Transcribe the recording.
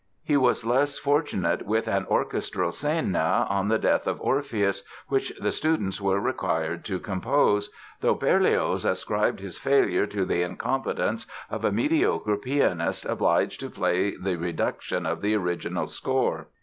He was less fortunate with an orchestral scena on the death of Orpheus which the students were required to compose, though Berlioz ascribed his failure to the incompetence of a mediocre pianist obliged to play the reduction of the original score.